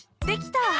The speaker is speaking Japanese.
できた！